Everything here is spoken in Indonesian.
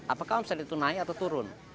apakah omset itu naik atau turun